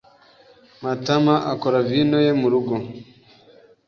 Matama akora vino ye murugo.